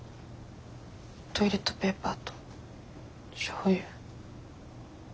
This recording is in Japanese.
トイレットペーパーとしょうゆ。